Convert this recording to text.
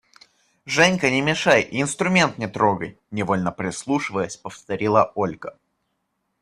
– Женька, не мешай и инструмент не трогай! – невольно прислушиваясь, повторила Ольга.